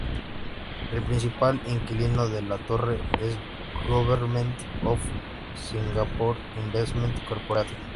El principal inquilino de la torre es Government of Singapore Investment Corporation.